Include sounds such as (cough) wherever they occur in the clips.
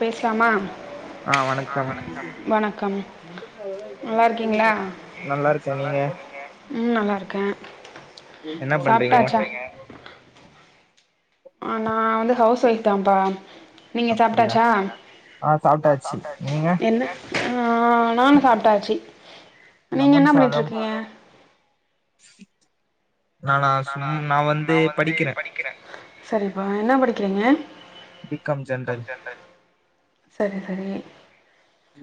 பேசலாமா ஆஹ் வணக்கம் வணக்கம் நல்லா இருக்கீங்களா நல்லா இருக்கேன் நீங்க ம் நல்லா இருக்கேன் என்ன பண்றீங்க சாப்பிட்டாச்சா ஆன நா வந்து ஹவுஸ் வைஃப் தான் பா நீங்க அப்படியா சாப்டாச்சா ஆ சாப்ட்டாச்சு நீங்க என்ன ஆ நானும் சாப்டாச்சு லெமன் சாதம் நானா சும் நா வந்து படிக்கிறே சரிப்பா என்ன படிக்கிறீங்க பி காம் ஜென்ரல் சரி சரி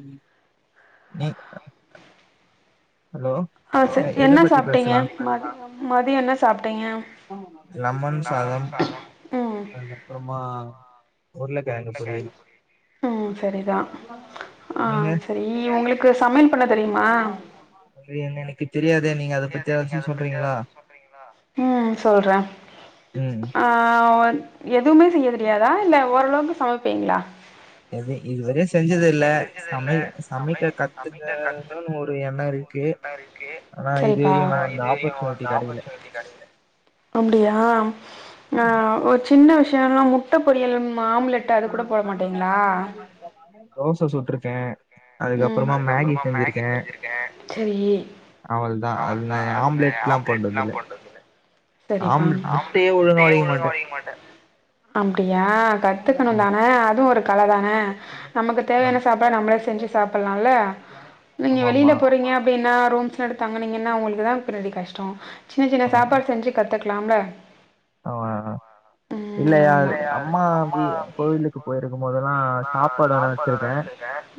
உம் ஆஹ் ச எத என்ன பத்தி சாப்டீங்க பேசலா ம மதிய என்ன சாப்டீங்க லெமன் சாதம் ம் அதுக்கப்புறமா உருளைக்கிழங்கு பொரியல் உம் சரிதா ஆ நீங்க சரி உங்களுக்கு சமையல் பண்ண தெரியுமா அது என்ன எனக்கு தெரியா ம் சொல்ற ம் ஆ உ எ துமே செய்ய தெரியாதா இல்ல ஓரளவுக்கு சமப் பீங்ளா எது இதுவரையு செஞ்சது இல்ல சமை சமைக்க கத்துக்கணுன் ஒரு எண்ணொ இருக் சரிப்பா அந்த ஆப்பர்ச்சுனிட்டி கெடைக்கல அப்டியா அ ஒ ச சின்ன விஷயொல்லா முட்ட பொரியல் ஆம்லெட் அது கூட போட மாட்டீங்களா? தோச சுட்ருக்க ம் செரி அவள்தா அது ஆம்லெட்லா போட்டதில்ல சரிப்பா ஆம்லெட் முட்டையே ஒழுங்கா ஒடைக்க மாட்டே அப்டியா கத்துக்கணுந் ஆமா தான அதுவு ஒரு கல தான நமக்கு ஆ தேவையான சாப்பாட நம்ளே செஞ்சி சாப்புல்லால்ல நீங்க வெளியில ஆமாமா போறீங்க அப்டின்னா ரூம் எடுத்தங்குனீங்கன்னா உங்களுக்கு தா பின்னாடி கஷ் டொ சின்னச் சின்ன சாப்பாடு செஞ்சி கத்துக் க்லாம்ல அவ இல்லையா ஆமா அம்மா பி கோயிலுக்கு போயிருக்கும் போதெல்லா சாப்பாடு வேணா வச்சிருக்கே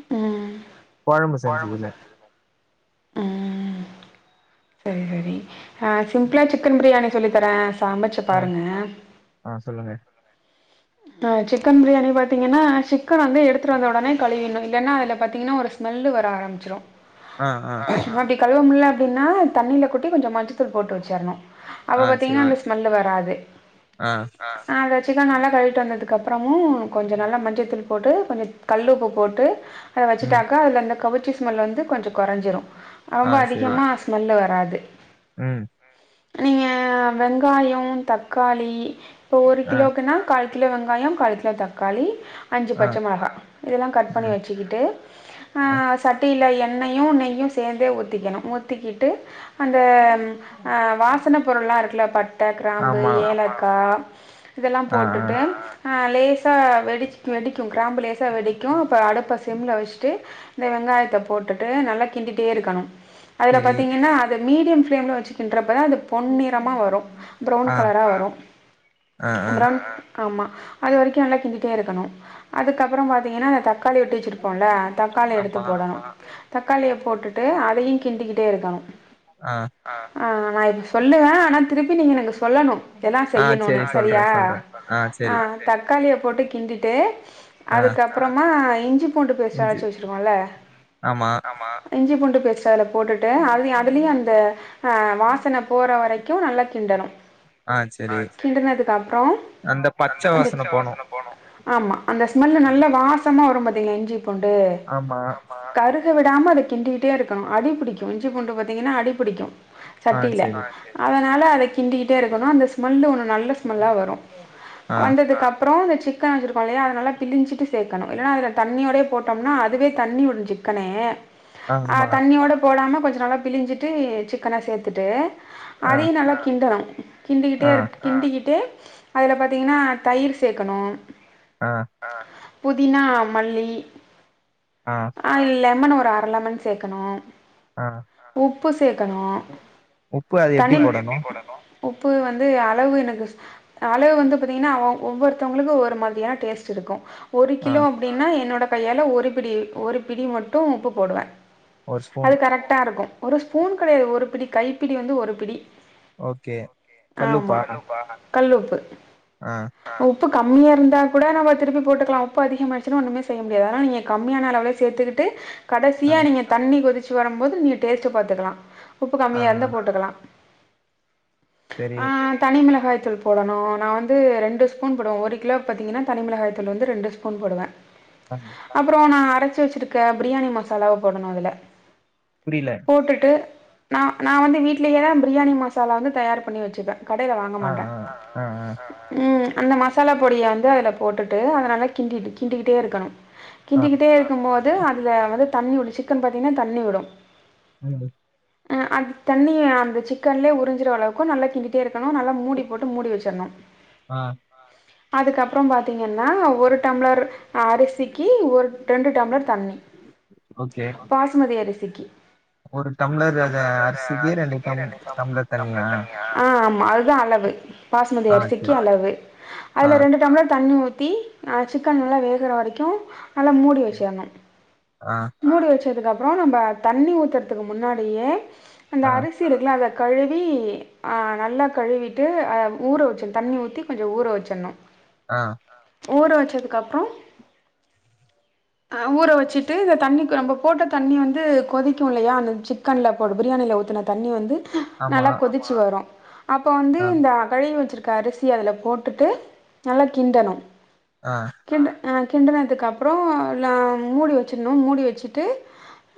ம் கொழம்பு செஞ்சதில்ல ம் சரி சரி ஆ சிம்ப்புளா சிக்கன் பிரியாணி சொல்லி தர சாமச்சு ஆ பாருங்க ஆ சொல்லுங்க ஆ சிக்கன் பிரியாணி பாத்தீங்கன்னா சிக் கன வந்து எடுத்துட்டு வந்தொடனே கழுவிண்ணு இல்லன்னா அதுல பாத்தீங்கன்னா ஒரு ஸ்மெல்லு வர ஆரம்பிச்சிரு ஆ ஆ அப்டி கழுவமுல்ல அப்டின்னா தண்ணில கொட்டி கொஞ்சொ மஞ்சத் தூள் போட்டு வச்சிர்ணு அப்ப ஆ பாத்தீங்கன்னா செரி அந்த ஸ்மெல்லு வராது ஆ அந்த சிக்கன் நல்லா கழு ட்டு வந்ததுக்கப்றமு கொஞ்சொ நல்லா மஞ்சத்தூள் போட்டு கொஞ்சொ கல்லு உப்பு போட்டு அத ம் வச்சுட்டாக்கா அதுல அந்த கவுச்சு ஸ் ஸ்மெல்லு வந்து கொஞ்சோ கொறஞ்சிரு ஆ ரொம்ப சரி. அதிகமா ஸ்மெல்லு வரா து ம் நீங்க வெங்காயொ தக்காளி இப்போ ஒரு ஆ, கிலோக்குன்னா கால் கிலோ வெங்காயம் கால் கிலோ தக்காளி அஞ்சு ஆ, பச்ச மொளகா இதெல்லாம் கட் பண்ணி ம். வச்சுக்கிட்டு ஆ சட்டியில எண் எண்ணெயும் நெய்யும் சேர்ந்தே ஊத்திக்கணும் ஊத்திக்கிட்டு அந்த ஆ வாசனை பொருள்லாம் இருக்குல பட்டை கிராம்பு ஆமா. ஏலக்கா இதெல்லாம் ஆ, போட்டு ஆ. ட்டு லேஸ் சா வெர் வெடிச் வெடிக்கும் கிராம்பு லேசா வெடிக்கும் அப்ப அடுப்ப சிம்ல வெச்சுட்டு இந்த வெங்காயத்த போட்டுட்டு நல்லா கிண்டிட்டே இருக்கணும் அதுல சரி. பாத்தீங்கன்னா அது மீடியம் பிளேம்ல வச்சுக்கின்றப் ப்பதா அது பொன்நிறமா வரும் ப்ரவுன் ஆ, கலரா வரும் ஆ, ஆ. ப்ரவுன் ஆமா அது வரைக்கும் நல்லா கிண்டிட்டே இருக்கணும் அதுக்கப்புறம் பாத்தீங்கன்னா அந்த தக்கா தக்காளி வெட்டி வச்சிருப்போம்ல தக்காளி எடுத்து ஆமா. போடணும் தக்காளிய போட்டுட்டு அதையும் கிண்டிக்கிட்டே இருக்கணும் ஆ. ஆ நான் இப்ப சொல்லுவேன் ஆனா திருப்பி நீங்க எனக்கு சொல்லணும் இதெல்லாம் ஆ செய்யணுன்னு சரி சரியா சொல்றேன், சொல்றேன். ஆ சரி. தக்காளிய போட்டு கிண்டிட்டு ஆ அதுக்கப்புறமா இஞ்சுப் பூண்டு பேஸ்ட்டு இஞ்சி. அரச்சு வச்சிருக்கோல்ல ஆமா. இஞ்சிபூண் டு பேஸ் ல போட்டுட்டு அது அதுலயும் அந்த ஆ வாசனை போற வரைக்கும் நல்லா கிண்டணும் ஆ கிண்டனதுக்கு அப்புறம் பச்சை வாசனை போனோம் ஆமா அந்த ஸ்மெல்லு நல்ல வாசமா வரும்ப இஞ்சி போண்டு ஆமா. கருத்து த்து விடாம அதை கிண்டிகிட்டே இருக்கணும் அடி பிடிக்கும் இஞ்சி பூண்டு பாத்தீங்கன்னா அடிபிடிக்கும் ஆ சட்டில சரி. அத னால அதை கிண்டிக்கிட்டே இருக்கணும் அந்த ஸ்மெல் ஒனு நல்ல ஸ்மெல்லா வரும் ஆ, வந்ததுக்கு அப்புறம் அந்த சிக்கன் வச்சுருக்கோம் இல்லையா அதைல்ல பிழிஞ்சிட்டு சேர்க்கணும் இல்லைனா அதில் தண்ணியோடே போட்டோம்னா அதுவே தண்ணி விடும் சிக்கனே ஆ ஆமா. தண்ணியோட போடாம கொஞ்சம் நல்லா பிழிஞ்சிட்டு சிக்கன சேத்துட்டு ஆ, அதையு நல்லா கிண்டலா கிண்டிக்கிட்டே ஆ, இரு கிண்டிக்கிட்டே அதுல பாத்திங்கன்னா தயிர் சேக்கணு ஆஹ் புதினாமல்லி ஆ, ஆஹ் இல்ல லமன் ஒரு அர லமன் சேக்கணு ஆ. உப்பு சேர்க்கனு உப்பு அது எப்டி தண்ணி போடணும்? உப்பு வந்து அளவு எனக்கு அளவு வந்து பாத்தீங்கன்னா ஒவ்வொருத்தவங்களுக்கு ஒவ்வொரு மாரியான டேஸ்ட் இருக்கு ஒரு ஆ. கிலோ அப்டின்னா என்னோட கையால ஒரு பிடி ஒரு பிடி மட்டு உப்பு போடுவே ஒரு ஸ்பூன் அது கரட்டா இருக்கு ஒரு ஸ்பூன் கெடையாது ஒரு பிடி கைப்பிடி வந்து ஒரு பிடி ஓகே ஆமா கல்லுப்பா கல்லுப்பு ஆஹ் உப்பு கம்மியா இருந்த கூட நம்ப திருப்பி போட்டுகலா உப்பு அதிகமாய்ட்ச்சினா ஒன்னுமே செய்ய முடியாது அதனால நீங்க கம்மியான அளவே சேத்துக்கிட்டு ஆ, கடைசியா நீங்க தண்ணி கொதி ச்சி வரும் போது நீங்க டேஸ்ட்டு பாத்துகலா உப்பு ஆ, கம்மியாக இருந்தா போட்டுகலா சரி. ஆஹ் தனி மிளகாய் (unintelligible) போடனு நா வந்து ரெண்டு ஸ்பூன் போடுவே ஒரு கிலோக்கு பாத்தீங்கன்னா தனிமிளகாய்த்தூள் வந்து ரெண்டுஸ்பூன் போடுவே ஆ, அப்றோ நா அரச்சி வச்ருக்க பிரியாணி மசாலாவ போடனு அதுல புரியல. போட்டுட்டு நா நா வந்து வீட்லயேதா பிரியாணி மசாலா வந்து தயார் பண்ணி வச்சுபே கடைல வாங்க ஆ, மாட்டே ஆ, ஆ, ம் அந்த மசாலா பொடிய வந்து அதுல போட்டுட்டு அத நல்லா கிண்டி கிண்டிக்கிட்டே இருக்கனு ஆ, ஆ, கிண்டிக்கிட்டே இருக்கும் போது அதுல வந்து தண்ணி விடு சிக்கன் பாத்திங்ன்னா தண்ணி விடு ம் அ அந்த தண்ணிய அந்த சிக்கன்லே உறிஞ்சுற அளவுக்கு நல்ல கிண்டிட்டே இருக்கணு நல்ல போட்டு மூடி வச்சுர்ரணு ஆ, அதுக்கப்றோ பாத்தீங்கன்னா ஒரு டம்ளர் அரிசிக்கி ஒரு ரெண்டு டம்ளர் தண்ணி ஓகே. பாஸ்மதி அரிசிக் ஃப் ஒரு டம்ளர் அ அரிசிக்கி ரெண்டு டம் டம்ளர் தண்ணியா ஆ ஆமா அதுதா அளவு பாஸ்மதி ஆ, அரிசிக்கி சரி. அளவு ஆ, அதுல ரெண்டு டம்ளர் தண் ண்ணி ஊத்தி அ சிக்கன் நல்லா வேகுற வரைக் (unintelligible) நல்லா மூடி வச்சேர்னு ஆ, மூடி வச்சதுக்கு அப் அப்றோ நம்ப தண்ணி ஊத்துறதுக்கு முன்னாடியே அந்த ஆ, அரிசி இருக்குல அத கழுவி ஆ நல்லா கழுவிட் விட்டு ஆ ஊற வச்சுற்னு தண்ணி ஊத்தி கொஞ்ச ஊற வச்சுற்ணு ஆ ஊற வச்சதுக்கு அப்றோ ஊற வச்சுட்டு இந்த தண்ணி நம்ப போட்ட தண்ணி வந்து கொதிக்கு இல்லையா அந்த சிக்கன்ல போடு பிரியாணியில ஊத்துன தண்ணி வந்து ஆமா. நல்லா கொதிச்சு வரும் அப்போ ஆ, இந்த அகல் வச்சிருக் க அரிசிய அதுல போட்டுட்டு நல்லா கிண்டணு ஆ ஆ கிண்டுனதுக்கு அப்பறோ நா மூடி வச்சுற்ணு மூடி வச்சுட்டு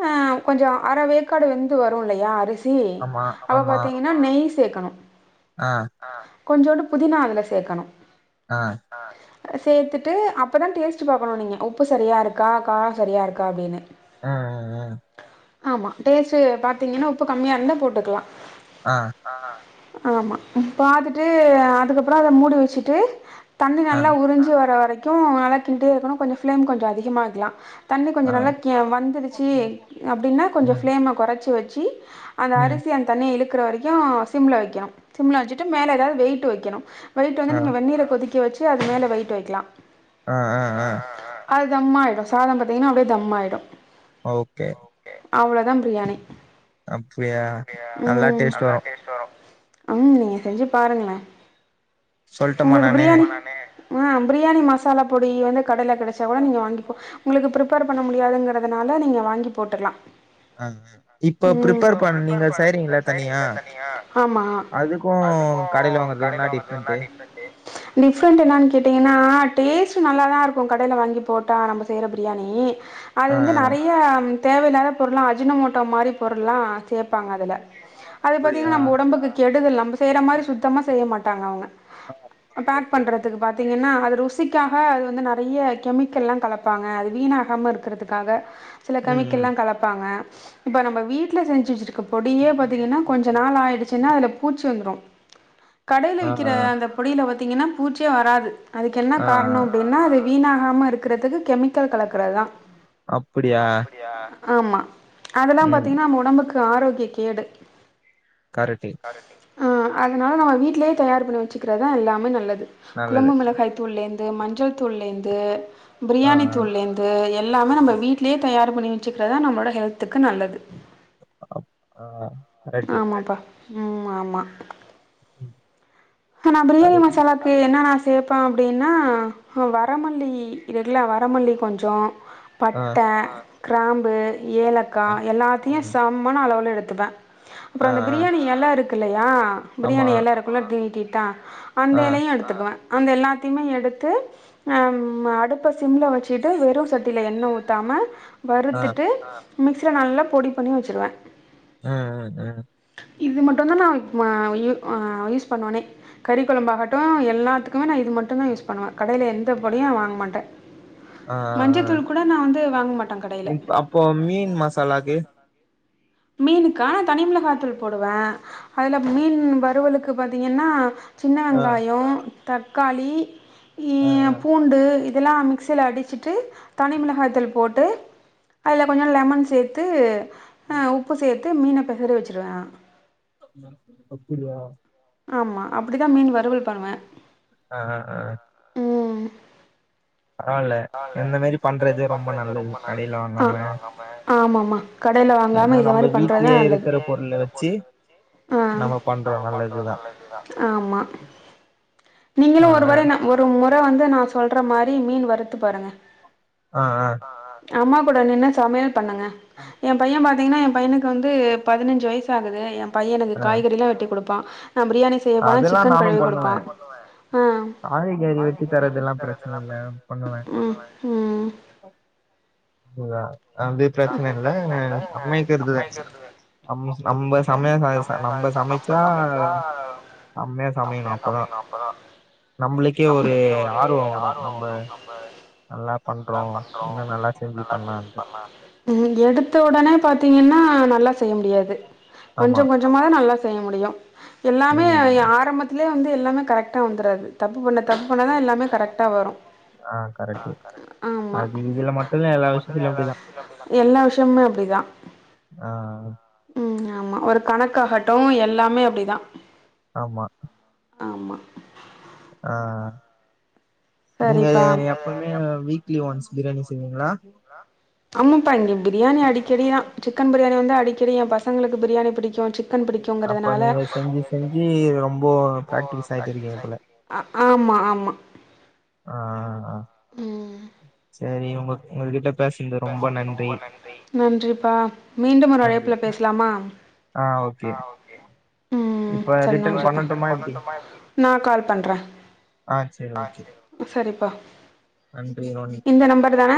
அ கொஞ்சோ அரவேக்காடு வெந்து வரு இல்லையா அரிசி சி ஆமா, அப்ப ஆமா. பாத்தீங்கன்னா நெய்ஸ் சேக்கணும் ஆ கொஞ்சோண்டு புதினா அதுல சேக்கணும் ஆ, ஆ சேத்துட்டு அப்பதா டேஸ்ட்டு பாக்கணு நீங்க உப்பு சரியா இருக்கா காரோ சரியா இருக்கா அப்டின்னு ம், ஆம்மா டேஸ்ட்டு பாத்தீங்கன்னா உப்பு கம்மியா இருந்தா போட்டுக்லா ஆ ஹா ஆம்மா பாத்துட்டு அதுக்கப்பறோ அத மூடி வச்சுட்டு தண்ணி நல்லா உறிஞ்சு வர வரைக் கு நல்லா கிண்டே இருக்கணு கொஞ்சோ ஃப்ளேம் கொஞ்சோ அதிகமா வக்லாம் தண்ணி கொஞ்சோ நல்லா கே வந்துடுச்சி அப்டின்னா ம், ம். ஆ, ஆ, ஆ, கொஞ்சோ ம், ஃப்ளேம கொறச்சி வெச்சு சி அந்த ம். அரிசி அந்த தண்ணிய இழுக் குற வரைக்கோ சிம்ல வைக்கனும் சிம்ல வெச்சுட்டு மேல ஏதாவது வெயிட்டு வெக்கனும் வெயிட்டு ஆ, வந்து வெந்நீர கொதிக் கி வெச்சு அது மேல வெயிட்டு வெக்கலா ஆஹ் ஆஹ் ஆஹ் அது தம்மாயிடு சாதம் பாத்திங்கன்னா அப்டியே தம் ஆகிடும் ஓகே அவ்வளோதா பிரியாணி அப்டியா நல்லா டேஸ்ட் வரும் உம் நீங்க செஞ்சி பாருங்களே சொல்லட்டுமா நானு ஆஹ் பிரியாணி மசாலா பொடி வந்து கடையில கெடைச்சா கூட நீங்க வாங்கிப்போ உங்களுக்கு ப்ரிப்பேர் பண்ண முடியாதுங்கறதுனால நீங்க வாங்கி போட்டுரலாம் ஆஹ் ஆஹ் இப்ப ப்ரிப்பேர் பண்ணி நீங்க செய்றீங்கல்ல தனியா அதுக்கும் கடையில வாங்குறதுக்கும் என்ன டிஃபரெண்ட்டு? டிப்ரெண்டு என்னானு கேட்டீங்கன்னா டே டேஸ்ட்டு நல்லா தா இருக்கும் கடையில வாங்கி போட்டா நம்ம செய்ற பிரியாணி அது ஆ வந்து ஆ. நறைய தேவையில்லாத பொருள்ளாம் அஜினமோட்டோ மாரி பொருள்லா சேப்பாங்க அதுல அது அப்படியா? பாத்தீங்கன்னா நம்ம ஒடம்புக்கு கெடுதல் நம்ம செய்றா மாரி சுத்தமா செய்ய மாட்டாங்க அவுங்க ஆ ஆ. Pack correct. பண்றதுக்கு பாத்தீங்கன்னா அது ருசிக்காக அது வந்து நறைய கெமிக்கல்லாம் கலப் பாங்க அது வீணகாம இருக்குறதுக்கு க்காக சில ம் ம். கேமிக்கல்லா கலப்பாங்க இப்ப நம்ம வீட்டுல செஞ்சி வெச்சிருக் பொடியே பாத்தீங்கன்னா கொஞ்ச நாள் ஆயிடுச்சி சின்ன அதுல பூச்சு வந்துரோ கடையில ஆ விக்கிற ஆ. அந்த பொடியில வந்து பாத்தீங்கன்னா பூச்சியே வராது அதுக்கு என்ன ஆ காரணோ ஆ. அப்டின்னா அது வீணாகாம இருக்கிறதுக்கு கெமிக் அப்புடியா ஆமா அதெல்லா பாத்தீங்கனா ஒடம்புக்கு ஆரோக்கிய கேடு கரெட்டு ஆ அதனால நம்ம வீட்லயே தயார் பண்ணி வச்சுக்கிறதா எல்லாமே நல்லது நல்லது. குழம்பு மிளகாய்த்தூள் லேந் து மஞ்சள் தூள்ளேந்து ஆ பிரியாணி ஆ. துள்ளேந்து எ எல்லாமே நம்ப வீட்லேயே தயார் பண்ணி வச்சுக்கிறதா நம்மோட ஹெல்த்துக்கு நல்லது அப் ஆ கரெக்ட்டு. ஆமாப்பா ம் ஆமா (inaudible) ஆனா பிரியாணி அது மசாலாக்கு என்னானா சேப்பே அப்டின்னா வரமல்லி இருக்குலா வரமல்லி கொஞ்சோ ஆ பட்டே கிராம்பு ஏலக்கா ஆ. எல்லாத்தியு ம். சம்மன அளவுல எடுத் துப்பே அப்புறோ ஆ அந்த ஆ. பிரியாணி எல இருக் யா ஆமா. பிரியாணி எலருக்குள்ள இப்டி நீட்டி ட அந்த ஆ எலையு எடுத்துக்குவே அந்த எல்லாத்தையுமே எடுத்து ஆ அடுப்ப சிம்ல வச்சிட்டு வெறு சட்டியில எண்ணெ ஊத்தாம ஆ. வறுத்துட்டு ஆ மிக்சில நல்லா பொடி பண்ணி வச்சுருவே ம் ம் ம் இது மட்டுதா நா வ யூ ஆ யூஸ் பண்ணுவனே கறி கொழம்பாகட்டு எல்லாத்துக்குமே நா இது மட்டுதா யூஸ் பண்ணுவே கடையில எந்த பொடியு வாங்க மாட்டே ஆ ஆ ஆ. மஞ்சத்தூள் கூட நா வந்து வாங்க மாட்டே கடையில இப் அப்போ மீன் மசாலாக்கு? மீனுக்கா தனி மிளகாத்தூள் போடுவே அதுல மீன் வறுவலுக்கு பாத்தீங்கன்னா சின்ன ஆ வெங்காயம் தக்காளி இ ஆ ஆ. பூண்டு எல்லா மிக்சில அடிச்சிட்டு தனிமிளகாய்தூள் போட்டு அதுல கொஞ்சம் லெமன் சேத்து ஆ உப்பு சேத் து மீன பெசற வச்சிருவே நா அப்படியா ஆமா அப்படிதா மீன் வறுவல் பண்ணுவேன் ஆ ஆ ஆ ஆ ஆ இந்த மாரி பண்றது ரொம்ப நல்லது. கடையில வாங்காம. ஆமா ஆம் மா கடையில வாங்காம ஏன்னா இத நம்ம மாரி பண்றதுதா வீட்லயே நல்லது இருக்கிற பொருள வச்சு அ நம்ம பண்றோம் நல்லதுதான். ஆமா நீங்களு ஆ ஒரு ஆ முற நா ஒரு ப்ப வந்து நா சொல்ற மாரி மீன் வருத் த்து பாருங்க ஆ ஆ அம்மா கூட நின்னு சமையல் பண்ணுங்க என் பையன் பா திங்கன்னா என் பையனுக்கு வந்து பதினஞ்சு வயசு ஆகுது என் பையன் எனக்கு காய்கறிலா வெட்டி கொடு பா அதெல்லா நானு பண்ணுவே ஆ காய்கறி வெட்டி தரதெல்லா பிரச்சன இல்ல பண்ணுவேன். ம் ம் (unintelligible) அது பிரச்சன இல்ல சமைக்குறது தா அம் நம்ம சமையா ச நம்ம சமைச்சா செம்மையா சமையணும் அப்பதான். நம்மளுக்கே ஒரு ஆர்வம் வரும். நம்ம நல்லா பண்றோம். இன்னும் நல்லா செஞ்சு பண்ணலான்ட்டு. ம் எடுத்த உடனே பாத்தீங்கன்னா நல்லா செய்ய முடி எது கொஞ்ச ஆமா. கொஞ்சமா தா நல்லா செய்ய முடியு எல்லாமே ஆரம்பத்ல யே வந்து எல்லாமே கரெக்டா வந்துறாது தப்பு பண்ண தப்பு பண்ணாத எல்லாமே கரெக்டா ம். வரும் ஆ கரெக்ட்டு. ஆமா அது இதுல மட்டும் இல்ல எல்லா விஷயத்துலயும் அப்டிதான். எல்லா விஷயமுமே அப்படிதா ஆ ம் ஆமா ஒரு கணக்காகட்டும் எல்லாமே அப்படிதான் ஆமா ஆமா ஆ நீங்க சரிப்பா எப்பவுமே வீக்லி ஒன்ஸ் பிரியாணி செஞ் சீங்களா (unintelligible) ஆமாப்ப இங்க இப்பிடி பிரியாணி அடிக்கடி தான் சிக்கன் பிரியாணி வந்து அடி கடிய (unintelligible) பசங்களுக்கு பிரியாணி பிடிக்கும் சிக்கன் அப்ப பிடிக்குகிதனால நீங்க செஞ்சு செஞ்சு ரொம்ப பிராக்டிஸ் ஆயிட்டு இருக்கீங்க போல. ஆமா ஆமா ஆ ஆ ஆ ம் சரி உங்க உங்கள்கிட்ட நன்றிப்பா மீண்டும் ஒரு நன்றி. அழைப்புல பேசலாமா ஆ ஓகே ம் இப்ப சரி ரிட்டர்ன் நன்றிப்ப பண்ணட்டுமா எப்டி? நான் ஆ சரி ஓகே. கால் நன்றி ரோனி இந்த நம்பர் தான